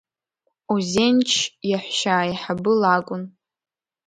Озенч иаҳәшьа аиҳабы лакәын.